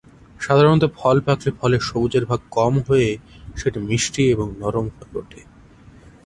সাধারণত ফল পাকলে ফলের সবুজের ভাগ কম হয়ে সেটি মিষ্টি এবং নরম হয়ে ওঠে।